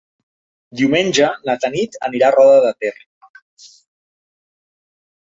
Diumenge na Tanit anirà a Roda de Ter.